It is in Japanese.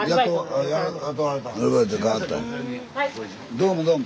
どうもどうも。